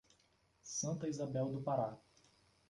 Santa Isabel do Pará